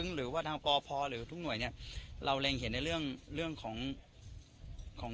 หรือว่าทางปพหรือทุกหน่วยเนี่ยเราเร็งเห็นในเรื่องของของ